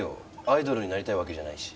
アイドルになりたいわけじゃないし。